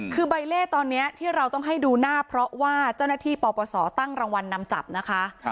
คือใบเล่ตอนนี้ที่เราต้องให้ดูหน้าเพราะว่าเจ้าหน้าที่ปปศตั้งรางวัลนำจับนะคะ